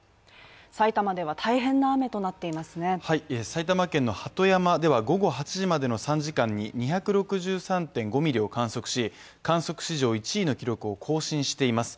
埼玉県の鳩山では、午後８時までの３時間に２６３．５ミリを観測し観測史上１位の記録を更新しています。